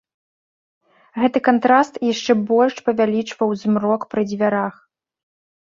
Гэты кантраст яшчэ больш павялічваў змрок пры дзвярах.